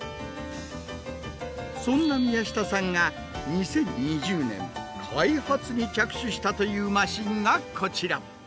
そんな宮下さんが２０２０年開発に着手したというマシンがこちら。